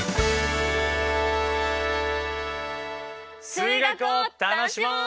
数学を楽しもう！